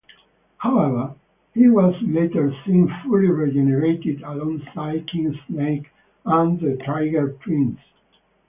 However, he was later seen fully regenerated alongside King Snake and the Trigger Twins.